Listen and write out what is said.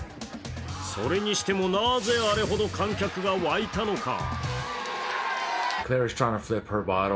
それにしても、なぜあれほど観客が沸いたのか？